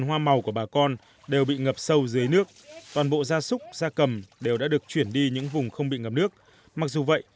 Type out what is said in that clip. huyện trương mỹ